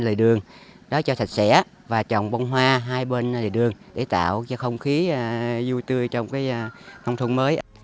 lời đường đó cho sạch sẽ và trồng bông hoa hai bên lề đường để tạo cho không khí vui tươi trong cái nông thôn mới